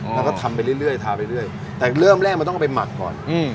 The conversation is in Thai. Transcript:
แล้วก็ทำไปเรื่อยทาไปเรื่อยแต่เริ่มแรกมันต้องเอาไปหมักก่อน